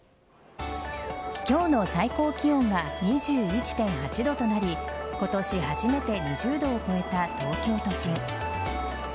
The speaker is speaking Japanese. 今日の最高気温は２１．８度となり今年初めて２０度を超えた東京都心。